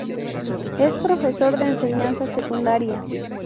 Es profesor de Enseñanza Secundaria.